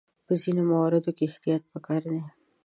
په ځینو مواردو کې احتیاط پکار دی.